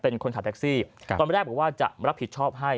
เป็นคนขับแท็กซี่ตอนแรกบอกว่าจะรับผิดชอบให้